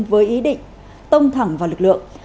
với ý định tông thẳng vào lực lượng